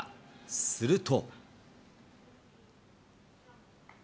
すると。